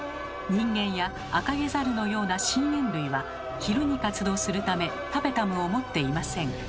人間やアカゲザルのような真猿類は昼に活動するためタペタムを持っていません。